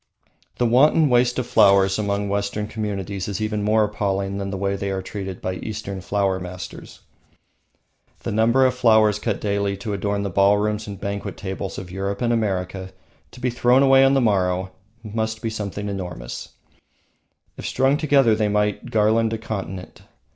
The wanton waste of flowers among Western communities is even more appalling than the way they are treated by Eastern Flower Masters. The number of flowers cut daily to adorn the ballrooms and banquet tables of Europe and America, to be thrown away on the morrow, must be something enormous; if strung together they might garland a continent.